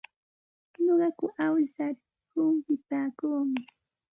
Nuqaku awsar humpipaakuumi.